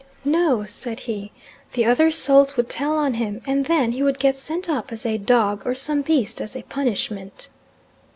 "No," said he, "the other souls would tell on him, and then he would get sent up as a dog or some beast as a punishment."